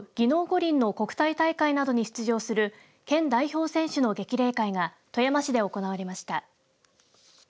五輪の国際大会などに出場する県代表選手の激励会が富山市で行われました。